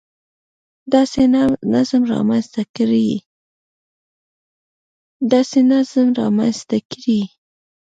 داسې نظم رامنځته کړي